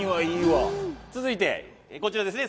続いてこちらですね。